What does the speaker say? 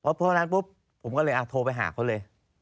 เพราะวันนั้นปุ๊บผมก็เลยโทรไปหาเขาเลย